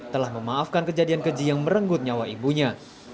telah memaafkan kejadian keji yang merenggut nyawa ibunya